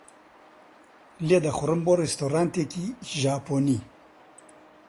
لێدەخوڕم بۆ ڕێستۆرانتێکی ژاپۆنی.